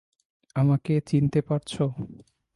আমাকে চিনতে পারছো?